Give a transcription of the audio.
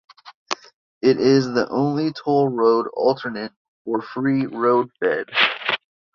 It is the only toll road alternate for free road Fed.